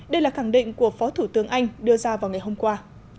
đây là khẳng định của phó thủ tướng anh đưa ra vào ngày hôm qua